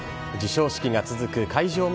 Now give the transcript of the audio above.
授賞式が続く会場